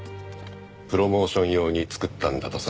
プロモーション用に作ったんだとさ。